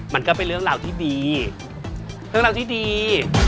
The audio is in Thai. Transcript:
มันก็เป็นเรื่องราวที่ดี